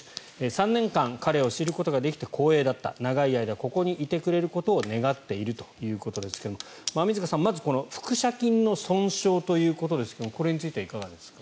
３年間、彼を知ることができて光栄だった長い間ここにいてくれることを願っているということですが馬見塚さん、この腹斜筋の損傷ということですがこれについてはいかがですか。